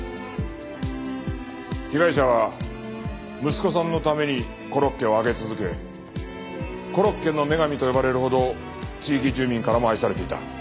被害者は息子さんのためにコロッケを揚げ続けコロッケの女神と呼ばれるほど地域住民からも愛されていた。